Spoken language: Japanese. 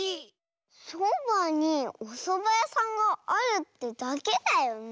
そばにおそばやさんがあるってだけだよね？